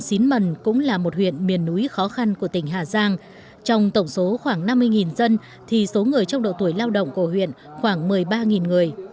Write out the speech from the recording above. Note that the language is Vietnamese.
xín mần cũng là một huyện miền núi khó khăn của tỉnh hà giang trong tổng số khoảng năm mươi dân thì số người trong độ tuổi lao động của huyện khoảng một mươi ba người